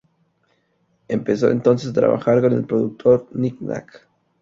Empezó entonces a trabajar con el productor Nic Nac.